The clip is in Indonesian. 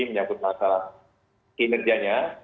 menyambut masalah kinerjanya